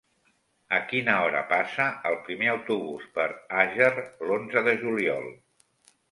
A quina hora passa el primer autobús per Àger l'onze de juliol?